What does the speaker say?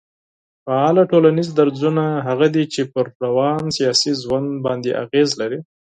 فعاله ټولنيز درځونه هغه دي چي پر روان سياسي ژوند باندي اغېز لري